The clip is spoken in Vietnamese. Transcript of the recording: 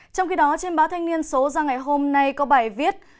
trong khi đó trên báo thanh niên số ra ngày hôm nay có bài viết